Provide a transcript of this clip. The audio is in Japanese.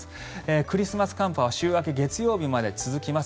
クリスマス寒波は週明け月曜日まで続きます。